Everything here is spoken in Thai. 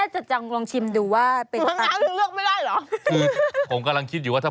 ไซส์ลำไย